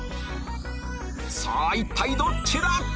さぁ一体どっちだ？